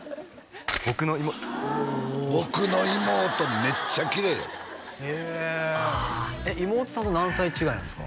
僕のおお僕の妹めっちゃきれいよへえ妹さんと何歳違いなんですか？